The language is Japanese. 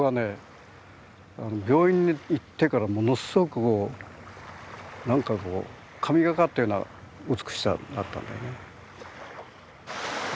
病院に行ってからものすごく何かこう神がかったような美しさになったんだよね。